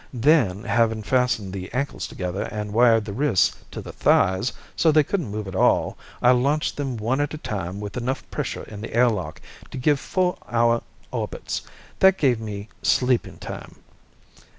"Then, having fastened the ankles together and wired the wrists to the thighs so they couldn't move at all, I launched them one at a time with enough pressure in the air lock to give four hour orbits. That gave me sleeping time."